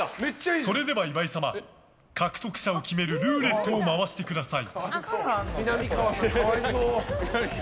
それでは岩井様挑戦者を決めるルーレットを回してください。